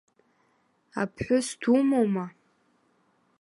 Аԥҳәыс думоума?